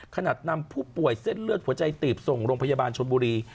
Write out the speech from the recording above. นำผู้ป่วยเส้นเลือดหัวใจตีบส่งโรงพยาบาลชนบุรี